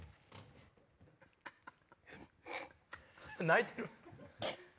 泣いてる？